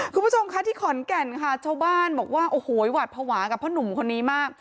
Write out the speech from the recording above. คุณผู้ชมคะที่ขอนแก่นค่ะชาวบ้านบอกว่าโอ้โหหวัดภาวะกับพ่อหนุ่มคนนี้มาก